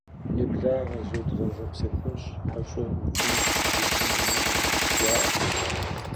«Еблагъэ, зодгъэгъэпсэхунщ, хьэщӀэ утщӀынщ, бысым уимыӀэмэ!» - жаӀэрт.